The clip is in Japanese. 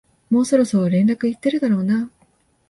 もうそろそろ連絡行ってるだろうな